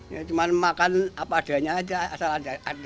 ya cuma makan apa adanya aja asal ada